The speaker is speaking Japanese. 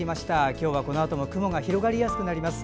今日はこのあとも雲が広がりやすくなります。